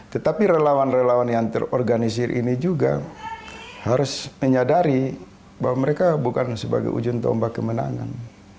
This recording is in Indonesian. tetapi relawan relawan yang terorganisir ini juga harus menyadari bahwa mereka bukan sebagai ujung tombak kemenangan